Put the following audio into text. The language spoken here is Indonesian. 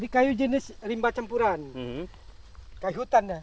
kayu jenis rimba campuran kayu hutan ya